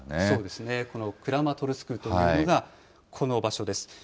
そうですね、このクラマトルスクというのがこの場所です。